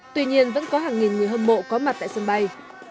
tuy nhiên vẫn có hàng nghìn người hâm mộ có mặt tại sân bay